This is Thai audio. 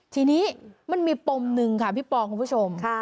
ทีนี้มันมีปมหนึ่งค่ะพี่ปอคุณผู้ชม